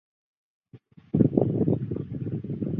本软件允许用户在下载其上载的一切图像和文字资料。